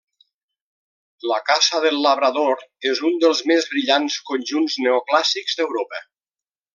La Casa del Labrador és un dels més brillants conjunts neoclàssics d'Europa.